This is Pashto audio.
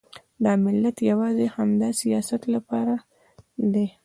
دا ملت یوازې د همدا سیاست لپاره دی.